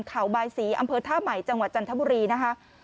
เขาบายศรีอำเภอท่าใหม่จังหวัดจันทบุรีนะคะ